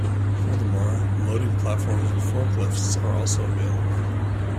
Furthermore, loading platforms and forklifts are also available.